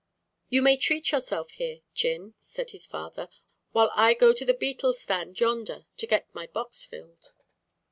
"You may treat yourself here, Chin," said his father, "while I go to the betel stand yonder, to get my box filled."